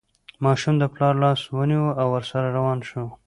ماشوم د پلار لاس ونیو او ورسره روان شو.